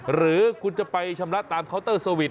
หรือคุณจะไปชำระตามเคาน์เตอร์สวิตช